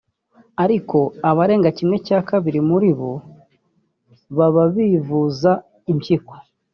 Ariko abarenga kimwe cya kabiri muri bo baba bivuza impyiko